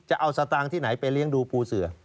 สตางค์ที่ไหนไปเลี้ยงดูปูเสือ